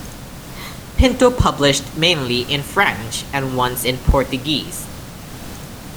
Pinto published mainly in French and once in Portuguese.